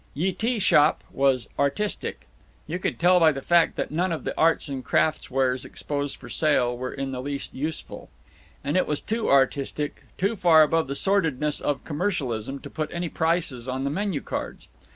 Ye Tea Shoppe was artistic. You could tell that by the fact that none of the arts and crafts wares exposed for sale were in the least useful. And it was too artistic, too far above the sordidness of commercialism, to put any prices on the menu cards.